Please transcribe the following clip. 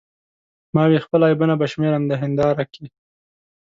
ما وې خپل عیبونه به شمیرم د هنداره کې